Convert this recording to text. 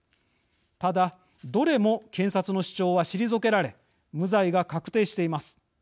ただ、どれも検察の主張は退けられ無罪が確定しています。